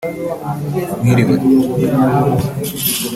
Mwiriwe